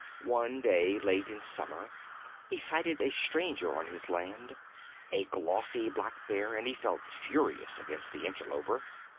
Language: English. One day late in summer he sighted a stranger on his land, a glossy Blackbear, and he felt furious against the interloper.